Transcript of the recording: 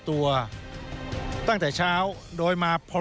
ส่วนต่างกระโบนการ